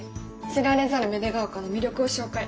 知られざる芽出ヶ丘の魅力を紹介。